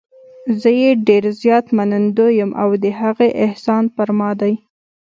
زه یې ډېر زیات منندوی یم او د هغې احسان پر ما دی.